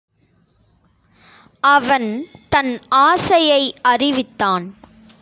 அவன் தன் ஆசையை அறிவித்தான்.